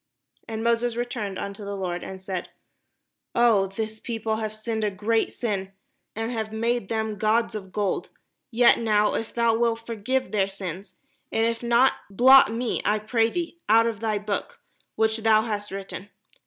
And Moses returned unto the Lord, and said, "Oh, this people have sinned a great sin, and have made them gods of gold. Yet now, if thou wilt forgive their sin —; and if not, blot me, I pray thee, out of thy book which thou hast written."